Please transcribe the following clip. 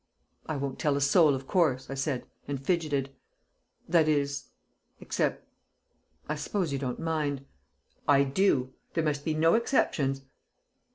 "I won't tell a soul, of course," I said, and fidgeted. "That is except I suppose you don't mind " "I do! There must be no exceptions."